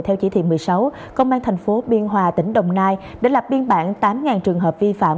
theo chỉ thị một mươi sáu công an thành phố biên hòa tỉnh đồng nai đã lập biên bản tám trường hợp vi phạm